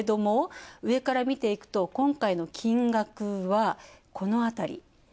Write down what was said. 上から見ていくと今回の金額は、このあたり。